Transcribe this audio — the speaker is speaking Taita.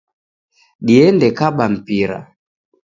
Diende kaba mpira